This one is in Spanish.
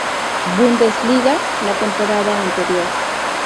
Bundesliga la temporada anterior.